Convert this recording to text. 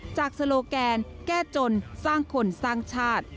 โซโลแกนแก้จนสร้างคนสร้างชาติ